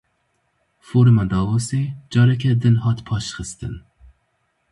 Foruma Davosê careke din hat paşxistin.